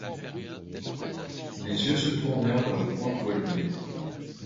Les yeux se tournèrent vers le point d’où elle venait.